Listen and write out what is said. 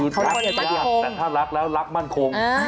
แต่ถ้ารักแล้วรักมั่นคง